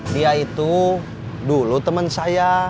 dia itu dulu teman saya